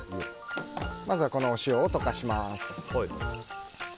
まずはこのお塩を溶かします。